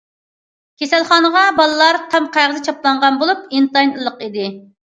كېسەلخانىغا بالىلار تام قەغىزى چاپلانغان بولۇپ، ئىنتايىن ئىللىق ئىدى.